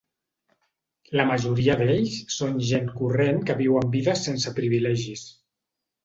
La majoria d'ells són gent corrent que viuen vides sense privilegis.